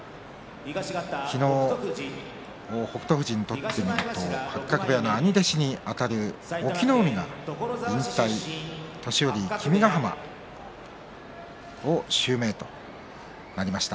昨日も北勝富士にとってみると八角部屋の兄弟子にあたる隠岐の海が引退年寄、君ヶ濱を襲名しました。